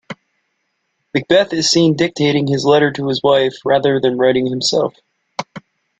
Macbeth is seen dictating his letter to his wife, rather than writing it himself.